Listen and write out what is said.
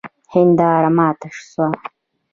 هنداره ماته سوه